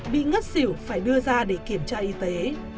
bị ngất xỉu phải đưa ra để kiểm tra y tế